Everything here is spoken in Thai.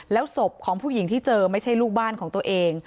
แล้วศพของผู้หญิงที่เจอไม่ใช่ลูกบ้านของตัวเอง